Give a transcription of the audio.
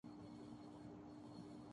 رنگینی نازل ہو جائے تو اس سے کیا بہتر۔